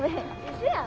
嘘やん。